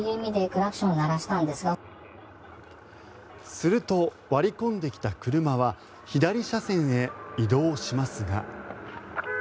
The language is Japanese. すると割り込んできた車は左車線へ移動しますが。